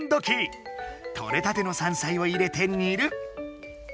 とれたての山菜を入れてにる。